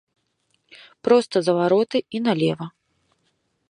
Проста за вароты і налева.